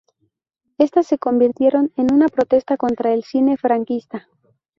Estas se convirtieron en una protesta contra el cine franquista.